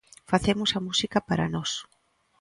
Facemos a música para nós.